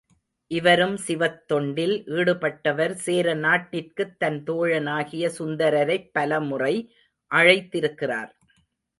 இவரும் சிவத்தொண்டில் ஈடுபட்டவர் சேர நாட்டிற்குத் தன் தோழனாகிய சுந்தரரைப் பலமுறை அழைத்திருக்கிறார்.